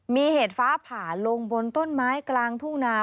มีเหตุฟ้าผ่าลงบนต้นไม้กลางทุ่งนา